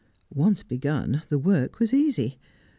Once begun, the work was easy.